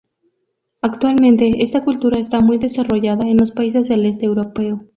Actualmente esta cultura está muy desarrollada en los países del este europeo.